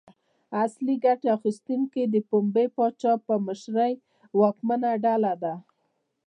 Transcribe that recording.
اصلي ګټه اخیستونکي د پنبې پاچا په مشرۍ واکمنه ډله ده.